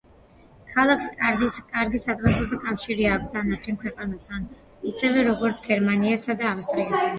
ქალაქს კარგი სატრანსპორტო კავშირი აქვს დანარჩენ ქვეყანასთან, ისევე როგორც გერმანიასა და ავსტრიასთან.